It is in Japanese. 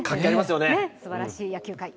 すばらしい野球界。